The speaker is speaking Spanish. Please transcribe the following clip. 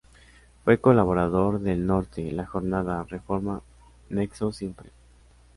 Fue colaborador de "El Norte", "La Jornada", "Reforma," "Nexos," "Siempre!